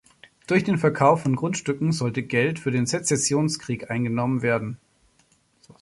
Durch den Verkauf von Grundstücken sollte Geld für den Sezessionskrieg eingenommen werden.